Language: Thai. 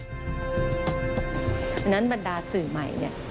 เพราะฉะนั้นบรรดาสื่อใหม่